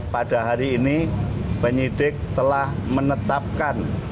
pada hari ini penyidik telah menetapkan